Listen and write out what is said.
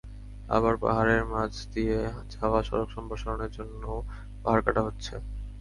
আবার পাহাড়ের মাঝ দিয়ে যাওয়া সড়ক সম্প্রসারণের জন্যও পাহাড় কাটা হচ্ছে।